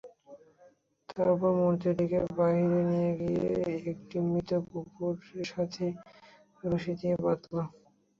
তারপর মূর্তিটিকে বাইরে নিয়ে গিয়ে একটি মৃত কুকুরের সাথে রশি দিয়ে বাঁধল।